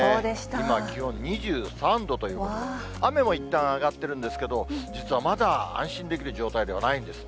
今、気温２３度ということで、雨もいったん上がってるんですけど、実はまだ安心できる状態ではないんです。